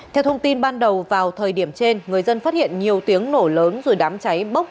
theo thông tin ban đầu vào thời điểm trên người dân phát hiện nhiều tiếng nổ lớn rồi đám cháy bốc